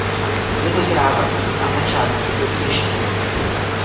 Plody dozrávají na začátku období dešťů.